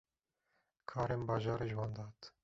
karên bajarî ji wan dihat.